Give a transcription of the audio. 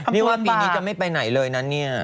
นี่ว่าปีนี้จะไม่ไปไหนเลยนะเนี่ย